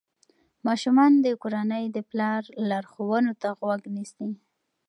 ماشومان د کورنۍ د پلار لارښوونو ته غوږ نیسي.